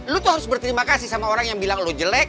lu kok harus berterima kasih sama orang yang bilang lo jelek